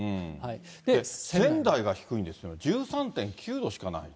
仙台が低いんですね、１３．９度しかない。